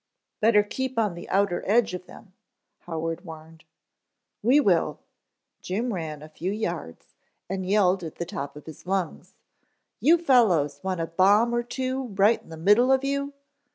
"Better keep on the outer edge of them," Howard warned. "We will!" Jim ran a few yards, and yelled at the top of his lungs. "You fellows want a bomb or two right in the middle of you?"